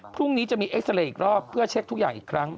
พรุ่งนี้จะมีอีกรอบเพื่อเช็คทุกอย่างอีกครั้ง